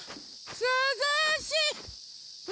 すずしい！